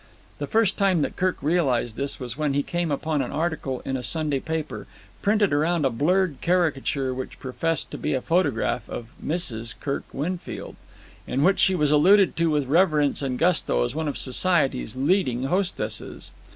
The first time that Kirk realized this was when he came upon an article in a Sunday paper, printed around a blurred caricature which professed to be a photograph of Mrs. Kirk Winfield, in which she was alluded to with reverence and gusto as one of society's leading hostesses.